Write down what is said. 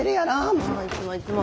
もういつもいつも。